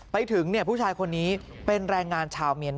ไปถึงพูดชายพี่เป็นแรงงานชาวเมืยมา